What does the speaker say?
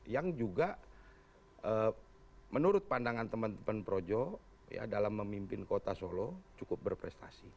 yang juga menurut pandangan teman teman projo ya dalam memimpin kota solo cukup berprestasi